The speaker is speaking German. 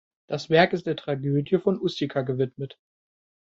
Das Werk ist der "Tragödie von Ustica" gewidmet.